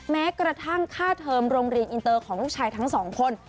แม้กระทั่งค่าเทอมโรงเรียนอินเตอร์ของลูกชายทั้งสองคน